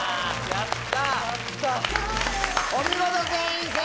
やった！